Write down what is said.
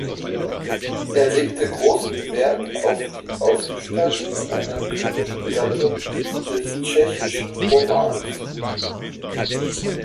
Er legte großen Wert auf die Ausgestaltung einer typischen Gattung des tschechischen Romans.